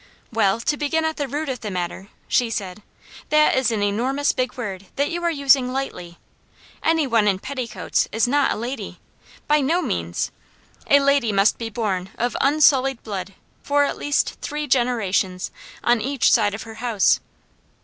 "Well, to begin at the root of the matter," she said, "that is an enormous big word that you are using lightly. Any one in petticoats is not a lady by no means! A lady must be born of unsullied blood for at least three generations, on each side of her house.